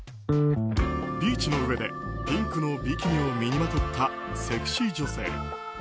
ビーチの上でピンクのビキニを身にまとったセクシー女性。